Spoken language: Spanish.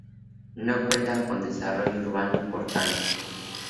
No cuenta con desarrollo urbano importante.